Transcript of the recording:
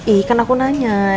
eh kan aku tanya